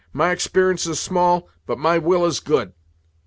My exper'ence is small, but my will is good."